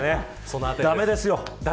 駄目ですよ。